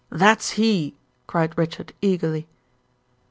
"That's he," cried Richard, eagerly.